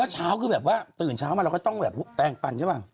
เช้าคือแบบว่าตื่นเช้ามาเราก็ต้องแบบแปลงฟันใช่ป่ะ